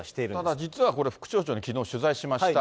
ただ、実はこれ、副町長に取材しました。